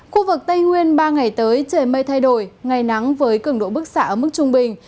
khu vực tây nguyên ba ngày tới trời mây thay đổi ngày nắng với cường độ bức xạ ở mức trung bình